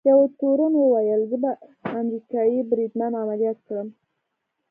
یوه تورن وویل: زه به امریکايي بریدمن عملیات کړم.